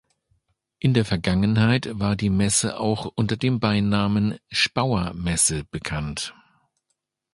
In der Vergangenheit war die Messe auch unter dem Beinamen „Spaur-Messe“ bekannt.